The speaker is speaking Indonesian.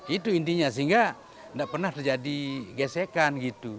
itu intinya sehingga tidak pernah terjadi gesekan gitu